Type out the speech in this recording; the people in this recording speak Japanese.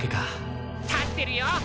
立ってるよ！